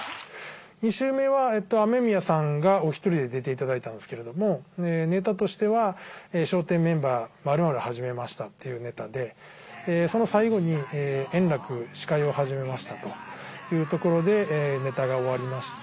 ２週目はＡＭＥＭＩＹＡさんがお一人で出ていただいたんですけれどもネタとしては「笑点メンバー○○始めました」っていうネタでその最後に「円楽司会を始めました」というところでネタが終わりまして。